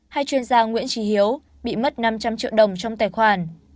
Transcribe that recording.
hai chuyên gia nguyễn trí hiếu bị mất năm trăm linh triệu đồng trong tài khoản